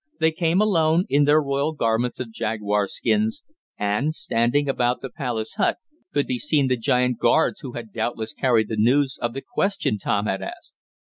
They came alone, in their royal garments of jaguar skins, and, standing about the palace hut, could be seen the giant guards who had doubtless carried the news of the question Tom had asked.